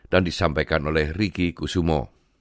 dan disampaikan oleh riki kusumo